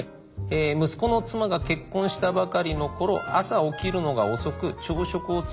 息子の妻が結婚したばかりの頃朝起きるのが遅く朝食を作らないことがあった。